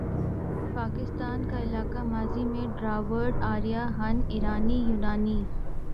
پاکستان کا علاقہ ماضی میں دراوڑ، آریا، ہن، ایرانی، یونانی،